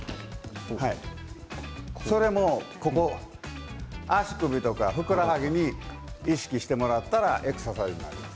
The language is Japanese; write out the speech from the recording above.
それも足首とかふくらはぎに意識してもらったらエクササイズになります。